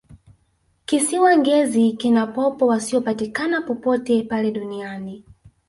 kisiwa ngezi kina popo wasiyopatikana popote pale duniani